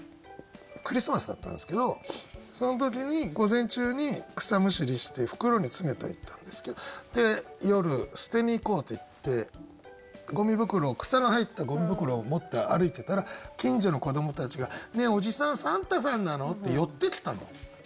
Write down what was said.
クリスマスだったんですけどその時に午前中に草むしりして袋に詰めといたんですけど夜捨てに行こうっていって草の入ったゴミ袋を持って歩いてたら近所の子どもたちが「ねえおじさんサンタさんなの？」って寄ってきたの。